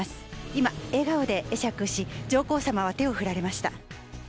今、笑顔で会釈し上皇さまは手を振られました。